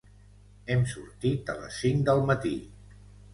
Hem sortit a les cinc del matí.